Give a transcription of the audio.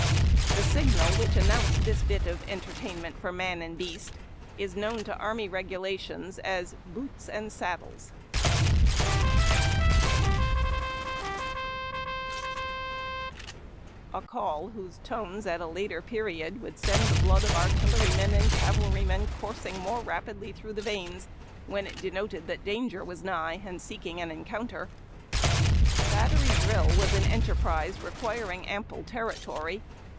The signal which announced this bit of " en tertainment for man and beast " is known to Army Regula tions as Boots and Saddles, 134 BARD TACK AND COFFEE. a call whose tones at a later period sent the blood of artil Jer3nnen and cavalrymen coursing more rapidly through the veins when it denoted that danger was nigh, and seeking encounter. Battery drill was an enterprise requiring ample territory.